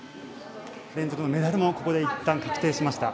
連続のメダルもここでいったん確定しました。